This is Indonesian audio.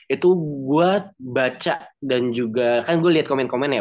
itu gue baca dan juga kan gue liat komen komen ya